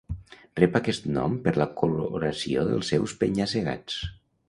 Rep aquest nom per la coloració dels seus penya-segats.